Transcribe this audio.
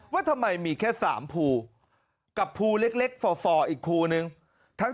ว่าทำไมมีแค่๓ภูกับภูเล็กฟอร์อีกภูนึง